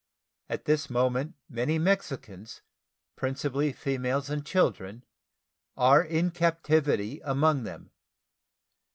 At this moment many Mexicans, principally females and children, are in captivity among them.